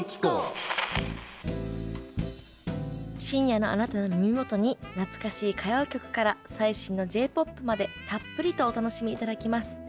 深夜のあなたの耳元に懐かしい歌謡曲から最新のＪ−ＰＯＰまでたっぷりとお楽しみ頂きます。